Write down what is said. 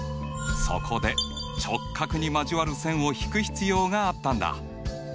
そこで直角に交わる線を引く必要があったんだ。